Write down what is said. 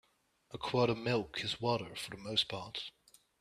A quart of milk is water for the most part.